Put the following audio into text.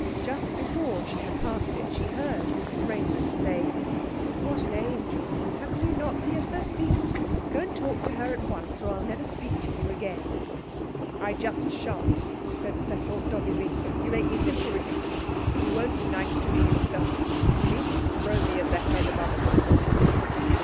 Just before she had passed it she heard Mrs Raymond say 'What an angel! How can you not be at her feet? Go and talk to her at once, or I'll never speak to you again!' 'I just shan't!' said Cecil doggedly. 'You make me simply ridiculous. If you won't be nice to me yourself, you needn't throw me at the head of other people.'